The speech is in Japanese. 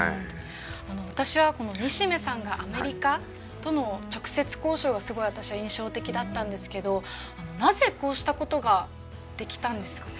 私は西銘さんがアメリカとの直接交渉がすごい私は印象的だったんですけどなぜこうしたことができたんですかね？